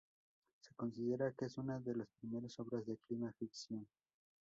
Se considera que es una de las primeras obras de clima ficción.